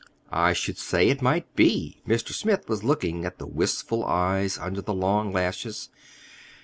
"I should say it might be." Mr. Smith was looking at the wistful eyes under the long lashes.